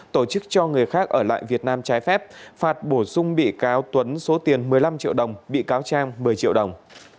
tổ chức cho người khác ở lại việt nam trái phép phạt bổ sung bị cáo tuấn số tiền một mươi năm triệu đồng bị cáo trang một mươi triệu đồng